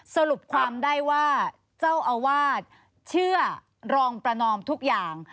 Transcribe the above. สรุปความได้ว่าเจ้าอาวาสเชื่อรองประนอมทุกอย่าง